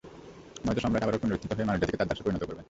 নয়তো সম্রাট আবারও পুনরুত্থিত হয়ে মানবজাতিকে তার দাসে পরিণত করবেন!